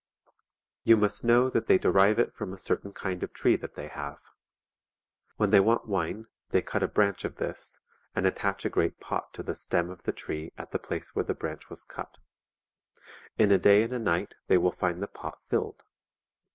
You must know that they derive it from a certain kind of tree that they have. When they want wine they cut a branch of this, and attach a great pot to the stem of the tree at the place where the branch was cut ; in a day and a night they will find the pot filled.